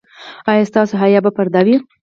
ایا ستاسو حیا به پرده وي؟